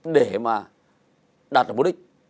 để mà đạt được mối đích